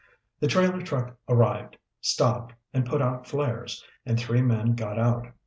The trailer truck arrived, stopped, and put out flares, and three men got out.